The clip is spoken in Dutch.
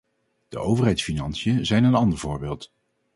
De overheidsfinanciën zijn een ander voorbeeld.